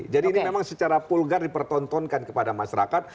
jadi ini memang secara pulgar dipertontonkan kepada masyarakat